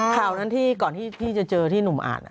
ข่าวนั้นที่ก่อนที่พี่จะเจอที่หนุ่มอ่าน